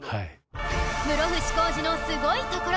室伏広治のすごいところ